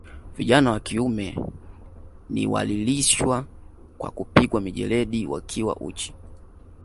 Vijana wa kiume ni walilishwa kwa kupigwa mijeledi wakiwa uchi